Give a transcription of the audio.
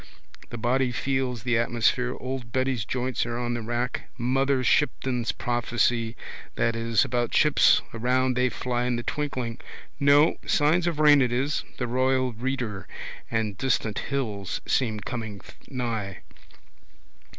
The body feels the atmosphere. Old Betty's joints are on the rack. Mother Shipton's prophecy that is about ships around they fly in the twinkling. No. Signs of rain it is. The royal reader. And distant hills seem coming nigh.